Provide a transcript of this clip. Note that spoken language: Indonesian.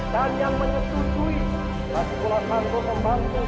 dan yang menyetujui kelasikulan hantu pembangunan